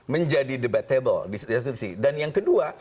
menjadi debatable dan yang kedua